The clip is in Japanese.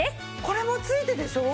これも付いてでしょ？